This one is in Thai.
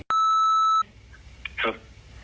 ครับ